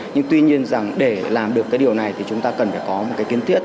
nhưng tuy nhiên rằng để làm được cái điều này thì chúng ta cần phải có một cái kiến thiết